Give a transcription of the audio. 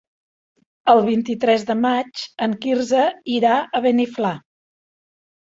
El vint-i-tres de maig en Quirze irà a Beniflà.